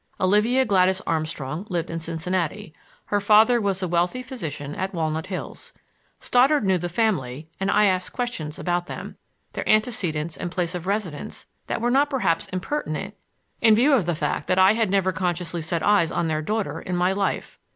Olivia Gladys Armstrong lived in Cincinnati; her father was a wealthy physician at Walnut Hills. Stoddard knew the family, and I asked questions about them, their antecedents and place of residence that were not perhaps impertinent in view of the fact that I had never consciously set eyes on their daughter in my life.